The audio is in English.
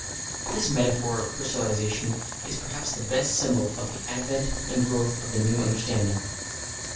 This metaphor of crystallisation is perhaps the best symbol of the advent and growth of the new understanding.